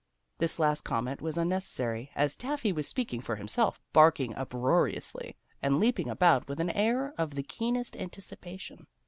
This last comment was unnecessary, as Taffy was speaking for himself, barking uproariously, and leaping about with an air of the keenest anticipation.